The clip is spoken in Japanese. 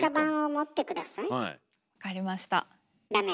分かりました。